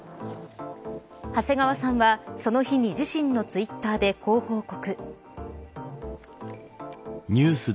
長谷川さんは、その日に自身のツイッターでこう報告。